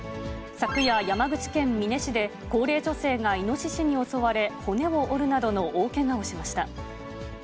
昨夜、山口県美祢市で、高齢女性がイノシシに襲われ、骨を折るなどの大けがをしました。